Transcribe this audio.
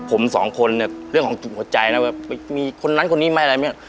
ผมสองคนเนี้ยเรื่องของจุดหัวใจนะว่ามีคนนั้นคนนี้ไม่อะไร